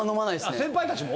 先輩たちも？